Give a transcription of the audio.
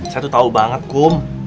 saya tuh tahu banget kum